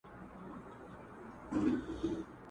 دا منم چي مي خپل ورڼه دي وژلي!!